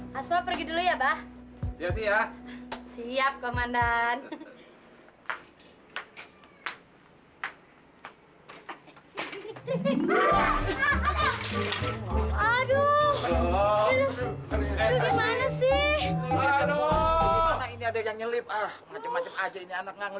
hai asma pergi dulu ya bah siap siap siap komandan